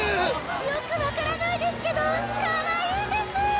よくわからないですけどかわいいです。